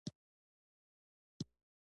زه د پښې په تله او د لاس په ورغوي تخږم